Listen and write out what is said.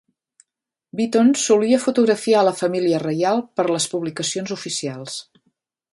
Beaton solia fotografiar a la família reial per a les publicacions oficials.